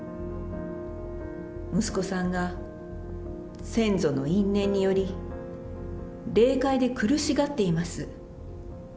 息子さんが先祖の因縁により、霊界で苦しがっています。